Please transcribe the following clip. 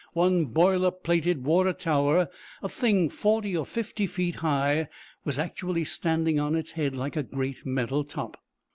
One boiler plated water tower, a thing forty or fifty feet high, was actually standing on its head like a great metal top.